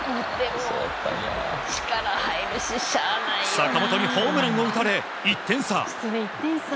坂本にホームランを打たれ１点差。